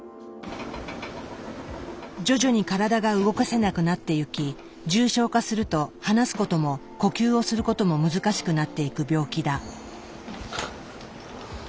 徐々に体が動かせなくなってゆき重症化すると話すことも呼吸をすることも難しくなっていく病気だ。